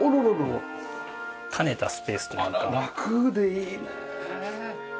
あら楽でいいね。